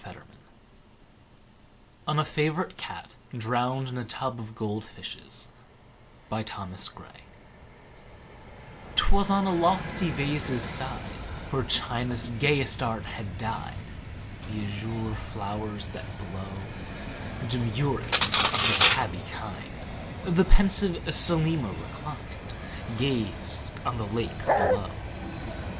Thomas Gray< On a Favourite Cat, Drowned in a Tub of Gold Fishes 'TWAS on a lofty vase's side, Where China's gayest art had dyed The azure flowers that blow; Demurest of the tabby kind, The pensive Selima reclined, Gazed on the lake below.